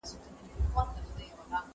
موږ کولای سو چي ډېري مڼې راوړو.